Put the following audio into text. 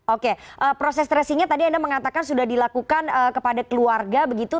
oke proses tracingnya tadi anda mengatakan sudah dilakukan kepada keluarga begitu